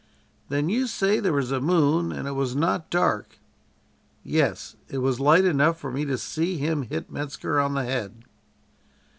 "Then you say there was a moon and it was not dark." "Yes, it was light enough for me to see him hit Metzker on the head."